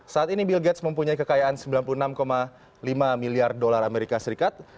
saat ini bill gates mempunyai kekayaan sembilan puluh enam lima miliar dolar amerika serikat